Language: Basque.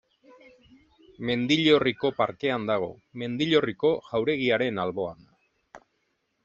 Mendillorriko parkean dago, Mendillorriko jauregiaren alboan.